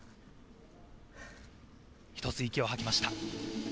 一つ息を吐きました。